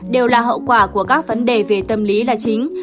đều là hậu quả của các vấn đề về tâm lý là chính